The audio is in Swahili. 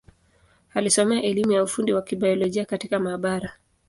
Alisomea elimu ya ufundi wa Kibiolojia katika maabara.